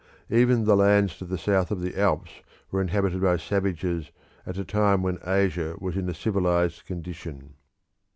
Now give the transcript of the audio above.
Even the lands to the south of the Alps were inhabited by savages at a time when Asia was in a civilised condition.